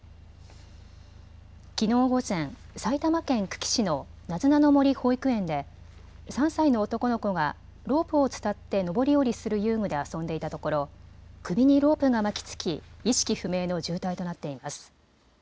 きのう午前、埼玉県久喜市のなずなの森保育園で３歳の男の子がロープを伝って上り下りする遊具で遊んでいたところ、首にロープが巻きつき意識不明の重体となっています。